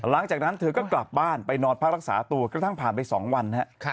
หลังจากนั้นเธอก็กลับบ้านไปนอนพักรักษาตัวกระทั่งผ่านไป๒วันนะครับ